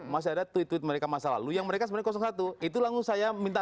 masih ada tweet tweet mereka masa lalu yang mereka sebenarnya satu itu langsung saya minta